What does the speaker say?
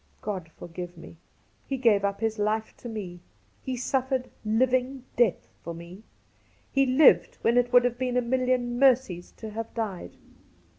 God forgive me ! He gave up his Hfe to me ! He suffered living death for me ! He lived when it would have been a million mercies to have died.